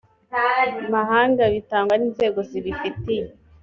mahanga bitangwa n inzego zibifitiye